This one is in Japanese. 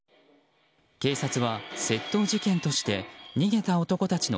警察は窃盗事件として逃げた男たちの